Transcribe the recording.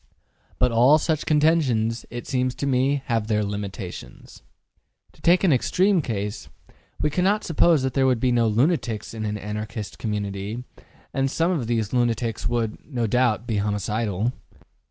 But all such contentions, it seems to me, have their limitations. To take an extreme case, we cannot suppose that there would be no lunatics in an Anarchist community, and some of these lunatics would, no doubt, be homicidal.